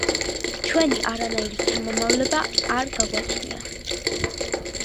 ჩვენი არანაირი შთამომავლობა არ გაგვაჩნია.